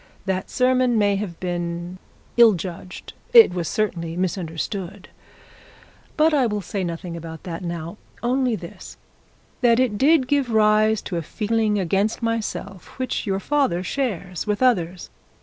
That sermon may have been ill judged, it was certainly misunderstood; but I will say nothing about that now; only this, that it did give rise to a feeling against myself which your father shares with others.